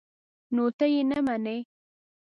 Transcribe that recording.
_نو ته يې نه منې؟